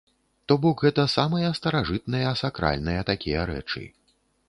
То бок гэта самыя старажытныя сакральныя такія рэчы.